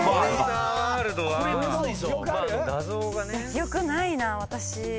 記憶ないな私。